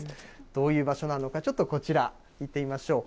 どういう場所なのか、ちょっとこちら、見てみましょう。